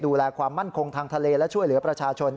ความมั่นคงทางทะเลและช่วยเหลือประชาชน